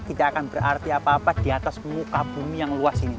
tidak akan berarti apa apa di atas muka bumi yang luas ini